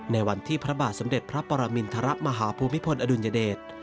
ในวันที่พระบาทสมเด็จพระปรมินทรมาฮภูมิพลอดุลยเดช